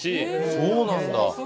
そうなんだ！